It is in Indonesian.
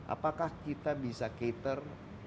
apakah kita bisa cater